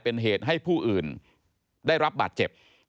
เป็นเหตุให้ผู้อื่นได้รับบาดเจ็บ